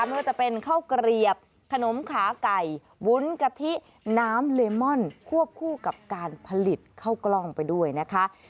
ไม่ว่าจะเป็นข้าวเกลียบขนมขาไก่วุ้นกะทิน้ำเลมอนควบคู่กับการผลิตข้าวกล้องไปด้วยนะคะ